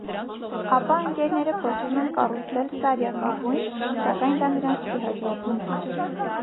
Ապա ընկերները փորձում են կառուցել սարյակաբուն, սակայն դա նրանց չի հաջողվում։